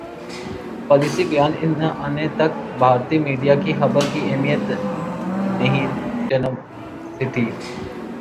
policy بیان انے تک بھارتی میڈیا کی خبر کی اہمیت نہیںنجم سیٹھی